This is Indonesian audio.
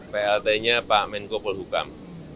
plt nya pak menko polhukam